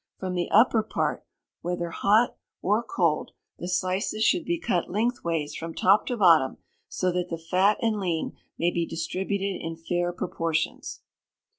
From the upper part, whether hot or cold, the slices should be cut lengthways from top to bottom, so that the fat and lean may be distributed in fair proportions.